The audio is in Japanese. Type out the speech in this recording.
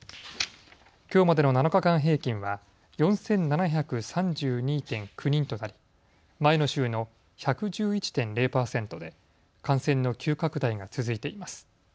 きょうまでの７日間平均は４７３２．９人となり前の週の１１１．０％で感染の急拡大が続いています。